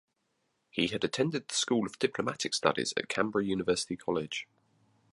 He had attended the School of Diplomatic Studies at Canberra University College.